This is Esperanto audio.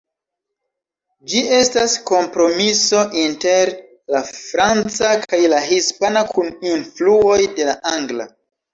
Ĝi estas kompromiso inter la franca kaj la hispana kun influoj de la angla.